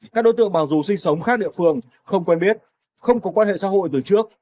các đối tượng mặc dù sinh sống khác địa phương không quen biết không có quan hệ xã hội từ trước